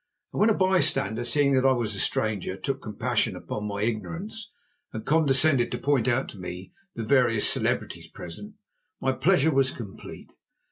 And when a bystander, seeing that I was a stranger, took compassion upon my ignorance and condescended to point out to me the various celebrities present, my pleasure was complete.